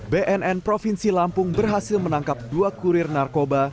bnn provinsi lampung berhasil menangkap dua kurir narkoba